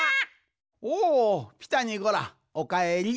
おおピタにゴラおかえり。